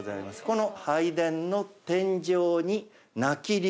この拝殿の天井に鳴龍。